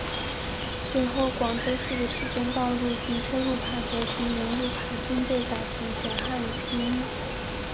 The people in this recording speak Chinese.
随后广州市的市政道路行车路牌和行人路牌均被改成全汉语拼音。